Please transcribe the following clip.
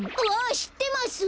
しってます！